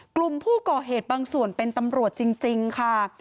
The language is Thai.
กลุ่มผู้ก่อเหตุบางส่วนเป็นตำรวจจริงค่ะ